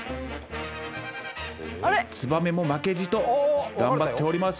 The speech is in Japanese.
ツバメも負けじと頑張っております。